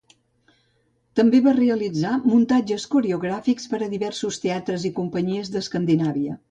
També va realitzar muntatges coreogràfics per a diversos teatres i companyies d'Escandinàvia.